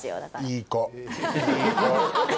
いい子。